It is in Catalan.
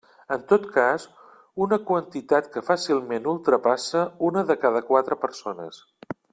En tot cas, una quantitat que fàcilment ultrapassa una de cada quatre persones.